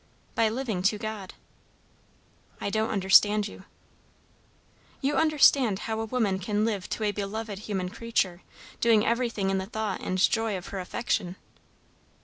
"By living to God." "I don't understand you." "You understand how a woman can live to a beloved human creature, doing everything in the thought and the joy of her affection."